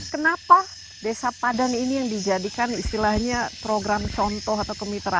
kenapa desa padan ini yang dijadikan istilahnya program contoh atau kemitraan